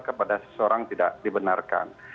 kepada seseorang tidak dibenarkan